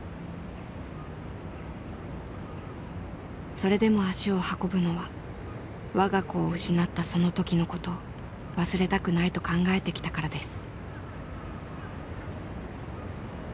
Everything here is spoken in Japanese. それでも足を運ぶのは我が子を失ったその時のことを忘れたくないと考えてきたからです。